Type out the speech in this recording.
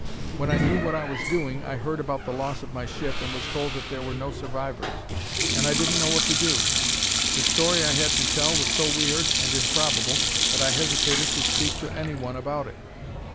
When I knew what I was doing I heard about the loss of my ship and was told that there were no survivors, and I didn't know what to do. The story I had to tell was so weird and improbable that I hesitated to speak to anyone about it.